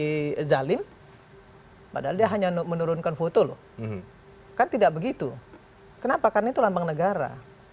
jadi zalim padahal dia hanya menurunkan foto loh kan tidak begitu kenapa karena itu lambang negara